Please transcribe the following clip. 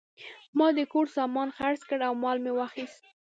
ما د کور سامان خرڅ کړ او مال مې واخیست.